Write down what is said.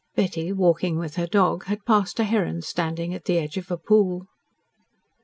Betty, walking with her dog, had passed a heron standing at the edge of a pool.